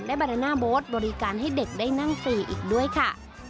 และบาดาน่าโบ๊ทบริการให้เด็กได้นั่งฟรีอีกด้วยค่ะ